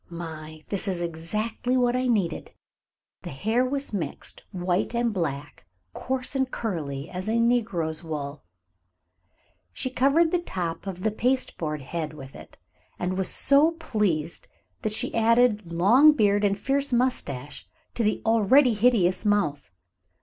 "My! This is exactly what I needed." The hair was mixed, white and black, coarse and curly as a negro's wool. She covered the top of the pasteboard head with it, and was so pleased that she added long beard and fierce mustache to the already hideous mouth.